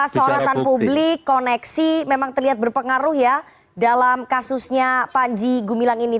seolah olah tanpa publik koneksi memang terlihat berpengaruh ya dalam kasusnya panji gumilang ini